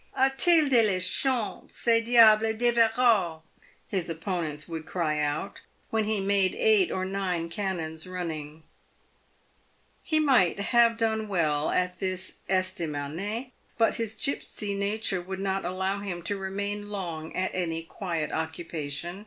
" A t il de la chance ce diable d' Everard" his opponents would cry out when he made eight or nine cannons running. He might have done well at this estaminet, but his gipsy nature would not allow him to remain long at any quiet occupation.